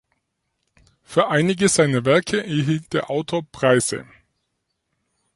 Für einige seiner Werke erhielt der Autor Preise.